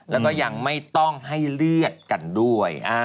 แล้วก็ยังไม่ต้องให้เลือกกันด้วย